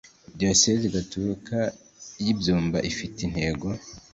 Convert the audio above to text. diyosezi gatolika ya byumba ifite intego